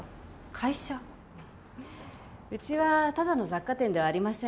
うちはただの雑貨店ではありません。